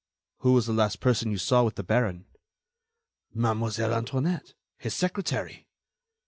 "Who was the last person you saw with the baron?" "Mademoiselle Antoinette, his secretary."